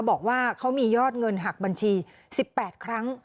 บอกว่าเขามียอดเงินหักบัญชี๑๘ครั้ง